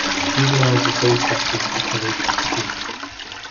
Juveniles of both sexes are colored like the female.